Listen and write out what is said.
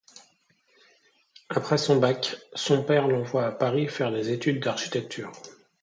Après son bac, son père l'envoie à Paris faire des études d'architecture.